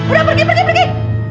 udah pergi pergi pergi